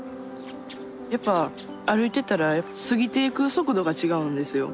やっぱ歩いてたら過ぎていく速度が違うんですよ。